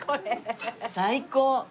最高。